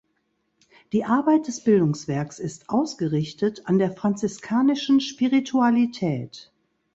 Die Arbeit des Bildungswerks ist ausgerichtet an der franziskanischen Spiritualität.